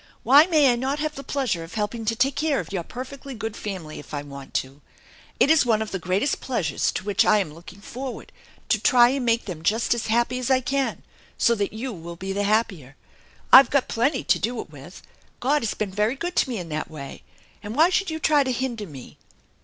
Why may I not have the pleasure of helping to take care of your perfectly good family if I want to ? It is one of the greatest pleasures to which I am looking forward, to try and make them just as happy as I can, so that you will be the happier. I've got plenty to do it with. God has been very good to me in that way, and why should you try to hinder me